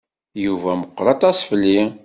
Yuba meqqeṛ aṭas fell-i.